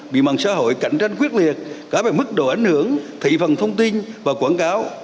bị mạng xã hội cạnh tranh quyết liệt cả về mức độ ảnh hưởng thị phần thông tin và quảng cáo